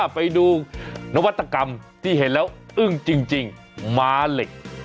ไปดูนวัตกรรมที่เห็นแล้วอึ้งจริงม้าเหล็ก